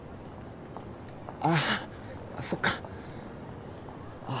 あああそっかあ